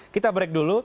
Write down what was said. kita break dulu